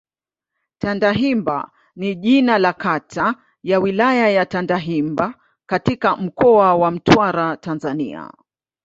Tandahimba ni jina la kata ya Wilaya ya Tandahimba katika Mkoa wa Mtwara, Tanzania.